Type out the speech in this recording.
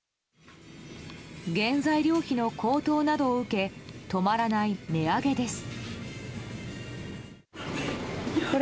原材料費の高騰などを受け止まらない値上げです。